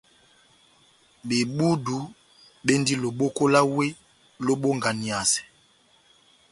Bebudu bendi loboko lá wéh lobonganiyasɛ.